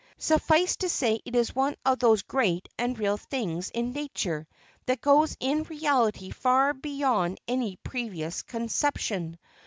Suffice it to say it is one of those great and real things in nature that goes in reality far beyond any previous conception.